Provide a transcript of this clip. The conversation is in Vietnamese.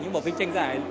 những bộ phim tranh giải